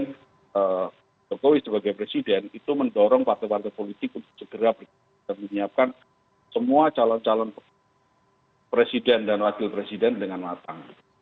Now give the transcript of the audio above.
presiden jokowi sebagai presiden itu mendorong partai partai politik untuk segera menyiapkan semua calon calon presiden dan wakil presiden dengan matang